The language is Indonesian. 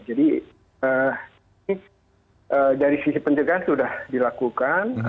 jadi dari sisi penjagaan sudah dilakukan